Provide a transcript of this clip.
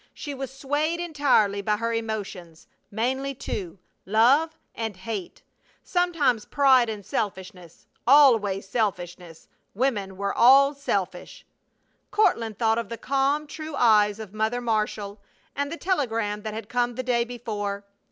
She was swayed entirely by her emotions, mainly two love and hate; sometimes pride and selfishness. Always selfishness. Women were all selfish! Courtland thought of the calm, true eyes of Mother Marshall and the telegram that had come the day before.